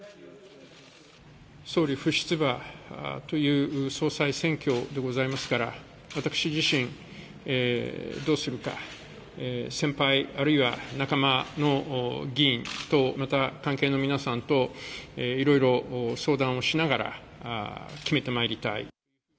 総理不出馬という総裁選挙でございますから、私自身、どうするか、先輩、あるいは仲間の議員と、また関係の皆さんと、いろいろ相談をしながら、決めてまいりたい。